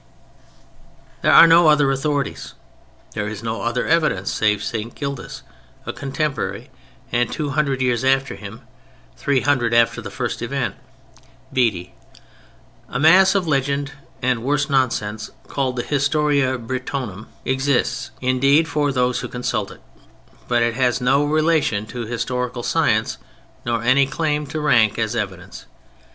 There are no other authorities. There is no other evidence save St. Gildas, a contemporary and—two hundred years after him, three hundred after the first event—Bede. A mass of legend and worse nonsense called the Historia Brittonum exists indeed for those who consult it—but it has no relation to historical science nor any claim to rank as evidence.